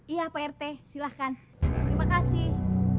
iya pak rt silahkan terima kasih